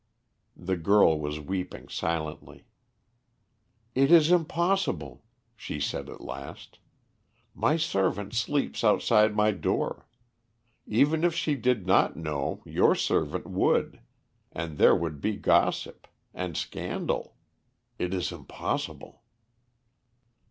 The girl was weeping silently. "It is impossible," she said at last. "My servant sleeps outside my door. Even if she did not know, your servant would, and there would be gossip and scandal. It is impossible."